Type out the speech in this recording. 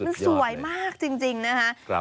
มันสวยมากจริงนะคะ